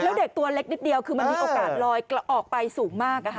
แล้วเด็กตัวเล็กนิดเดียวคือมันมีโอกาสลอยออกไปสูงมาก